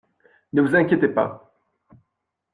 Ne vous inquiétez pas!